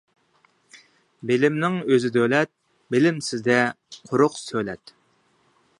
بىلىمنىڭ ئۆزى دۆلەت، بىلىمسىزدە قۇرۇق سۆلەت.